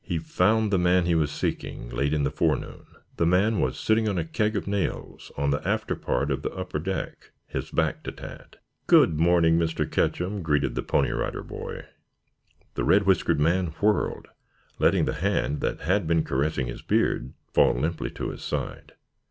He found the man he was seeking late in the forenoon. The man was sitting on a keg of nails on the after part of the upper deck, his back to Tad. "Good morning, Mr. Ketcham," greeted the Pony Rider Boy. The red whiskered man whirled, letting the hand that had been caressing his beard fall limply to his side.